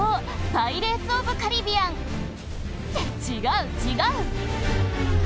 『パイレーツ・オブ・カリビアン』って違う違う！